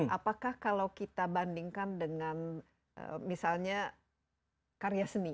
apakah kalau kita bandingkan dengan misalnya karya seni